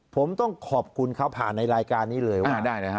ผมต้องขอบคุณเขาผ่านในรายการนี้เลยว่าได้นะฮะ